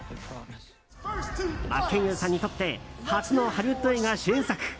真剣佑さんにとって初のハリウッド映画主演作。